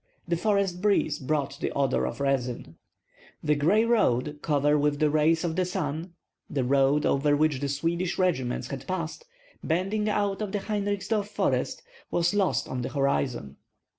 The forest breeze brought the odor of resin. The gray road, covered with the rays of the sun, the road over which the Swedish regiments had passed, bending out of the Heinrichsdorf forest, was lost on the horizon.